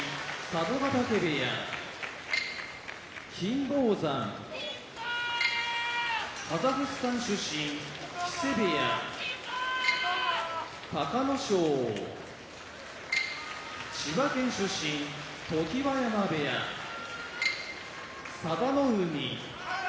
嶽部屋金峰山カザフスタン出身木瀬部屋隆の勝千葉県出身常盤山部屋佐田の海